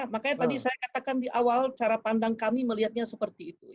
makanya tadi saya katakan di awal cara pandang kami melihatnya seperti itu